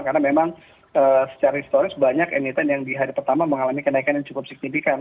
karena memang secara historis banyak emiten yang di hari pertama mengalami kenaikan yang cukup signifikan